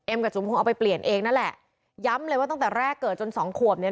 กับจุมพงษ์เอาไปเปลี่ยนเองนั่นแหละย้ำเลยว่าตั้งแต่แรกเกิดจนสองขวบเนี่ย